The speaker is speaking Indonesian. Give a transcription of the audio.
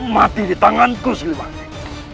mati di tanganku siliwangi